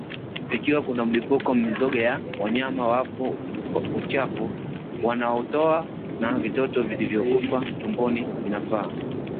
Ikiwa kuna mlipuko mizoga ya wanyama wafu uchafu wanaoutoa na vitoto vilivyokufa tumboni vinafaa